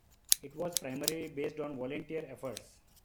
It was primarily based on volunteer efforts.